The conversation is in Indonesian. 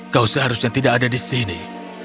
kau seharusnya tidak ada di sini